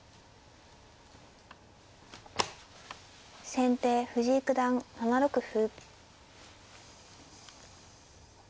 先手藤井九段７六歩。